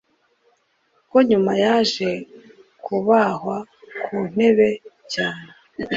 Ko nyuma yaje kubahwa kuntebe cyane